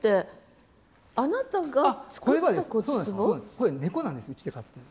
これ猫なんですうちで飼ってる。